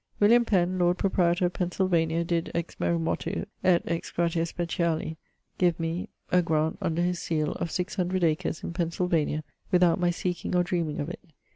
William Penn, Lord Proprietor of Pennsylvania, did, ex mero motu et ex gratia speciali, give me, (16 ) a graunt, under his seale, of six hundred acres in Pennsylvania[AG], without my seeking or dreaming of it.